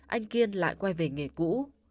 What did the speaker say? anh kiên lại quay về nghề cũ